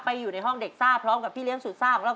ไปอยู่ในห้องเด็กซ่าพร้อมกับพี่เลี้ยงสูตรซ่ามแล้วกัน